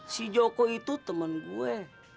si joko itu temen gue